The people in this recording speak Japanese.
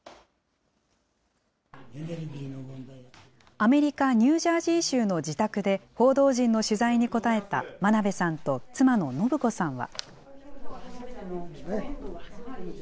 アメリカ・ニュージャージー州の自宅で、報道陣の取材に答えた真鍋さんと妻の信子さんは。